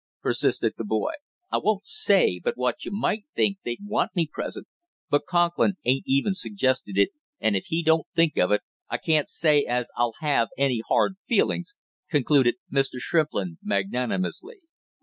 persisted the boy. "I won't say but what you might think they'd want me present; but Conklin ain't even suggested it, and if he don't think of it I can't say as I'll have any hard feelings," concluded Mr. Shrimplin magnanimously.